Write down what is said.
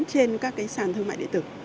trên các cái sàn thương mại điện tử